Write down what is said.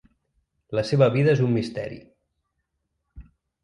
La seva vida és un misteri.